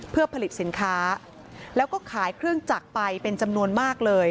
เพื่อผลิตสินค้าแล้วก็ขายเครื่องจักรไปเป็นจำนวนมากเลย